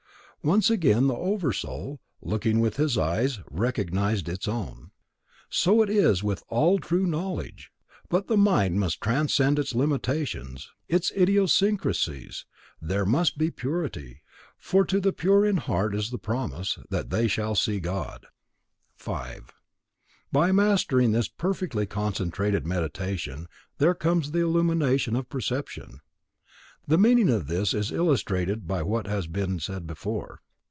Once again the Oversoul, looking with his eyes, recognized its own. So it is with all true knowledge. But the mind must transcend its limitations, its idiosyncrasies; there must be purity, for to the pure in heart is the promise, that they shall see God. 5. By mastering this perfectly concentrated Meditation, there comes the illumination of perception. The meaning of this is illustrated by what has been said before.